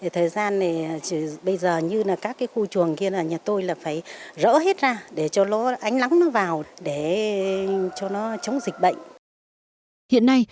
thời gian này bây giờ như là các khu chuồng kia là nhà tôi là phải rỡ hết ra để cho nó ánh lắng nó vào để cho nó chống dịch bệnh